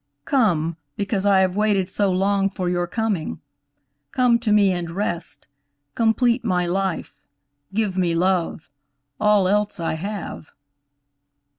"Come, because I have waited so long for your coming; come to me and rest. Complete my life; give me love; all else I have."